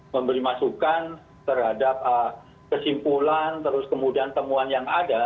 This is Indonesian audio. memberi masukan terhadap kesimpulan terus kemudian temuan yang ada